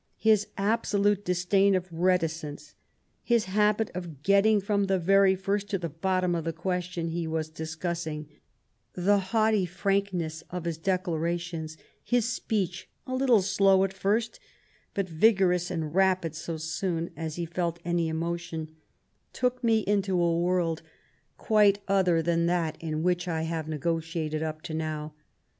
His absolute disdain of reticence ; his habit of getting from the very first to the bottom of the question he was discussing ; the haughty frankness of his declarations ; his speech, a little slow at first, but vigorous and rapid so soon as he felt any emotion, took me into a world 171 Bismarck quite other than that in which I have negotiated up to now.